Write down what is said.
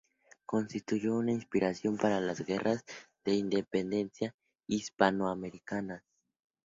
Constituyó una inspiración para las guerras de independencia hispanoamericanas.